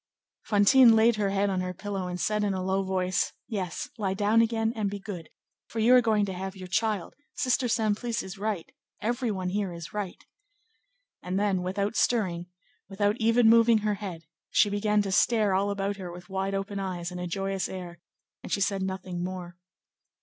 Fantine laid her head on her pillow and said in a low voice: "Yes, lie down again; be good, for you are going to have your child; Sister Simplice is right; every one here is right." And then, without stirring, without even moving her head, she began to stare all about her with wide open eyes and a joyous air, and she said nothing more.